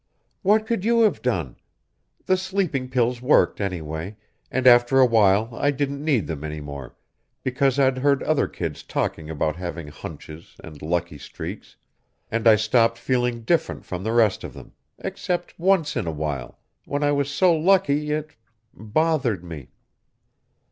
"What could you have done? The sleeping pills worked, anyway, and after a while I didn't need them any more, because I'd heard other kids talking about having hunches and lucky streaks and I stopped feeling different from the rest of them, except once in a while, when I was so lucky it ... bothered me."